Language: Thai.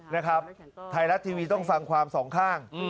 นะครับไทยรัฐทีวีต้องฟังความสองข้าง